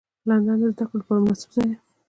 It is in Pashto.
لندن د زدهکړو لپاره مناسب ځای دی